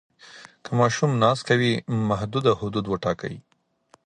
که ماشوم ناز کوي، محدوده حدود وټاکئ.